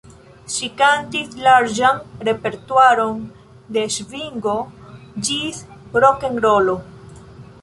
Ŝi kantis larĝan repertuaron de svingo ĝis rokenrolo.